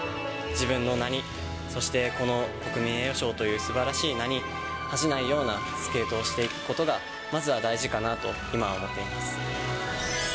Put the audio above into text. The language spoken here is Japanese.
自分の名に、そしてこの国民栄誉賞というすばらしい名に恥じないようなスケートをしていくことが、まずは大事かなと今思っています。